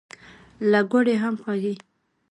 له ګوړې هم خوږې.